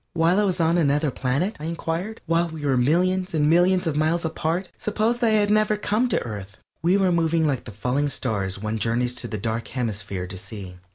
"While I was on another planet?" I inquired. "While we were millions and millions of miles apart? Suppose that I had never come to Earth?" We were moving like the falling stars one journeys to the Dark Hemisphere to see.